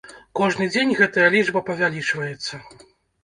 Кожны дзень гэтая лічба павялічваецца.